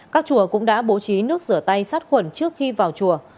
các chùa cũng đã bố trí nước rửa tay sát khuẩn trước khi vào chùa